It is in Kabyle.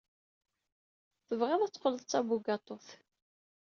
Tebɣiḍ ad teqqleḍ d tabugaṭut.